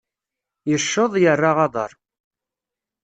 Yecceḍ, yerra aḍar.